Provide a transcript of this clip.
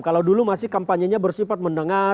kalau dulu masih kampanyenya bersifat mendengar